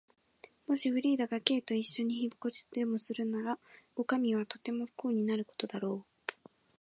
もしフリーダが Ｋ といっしょに引っ越しでもするなら、おかみはとても不幸になることだろう。